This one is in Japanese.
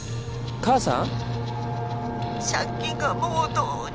母さん？